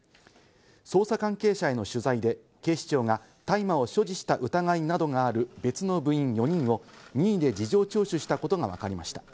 捜査関係者への取材で警視庁が大麻を所持した疑いなどがある別の部員４人を任意で事情聴取したことがわかりました。